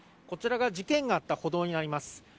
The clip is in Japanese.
こちらが事件があった歩道になります。